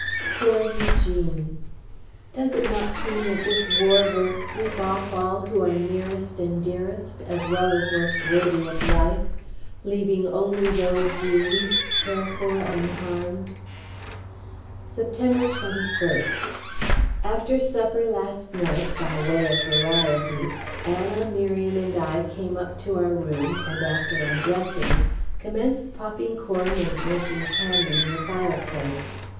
Poor Eugene!... Does it not seem that this war will sweep off all who are nearest and dearest, as well as most worthy of life, leaving only those you least care for, unharmed? A cousin. September 21st. After supper last night, by way of variety, Anna, Miriam, and I came up to our room, and after undressing, commenced popping corn and making candy in the fireplace.